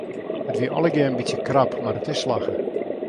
It wie allegear in bytsje krap mar it is slagge.